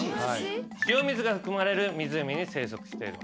塩水が含まれる湖に生息している。